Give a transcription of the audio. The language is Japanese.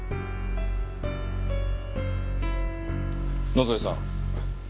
野添さん。